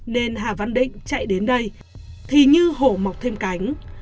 nên hà văn định chạy đến đây thì như hổ mọc thêm cánh